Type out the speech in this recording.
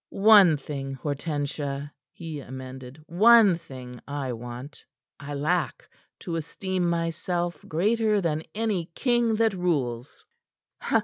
"One thing, Hortensia," he amended. "One thing I want I lack to esteem myself greater than any king that rules."